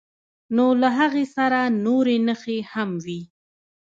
نو له هغې سره نورې نښې هم وي.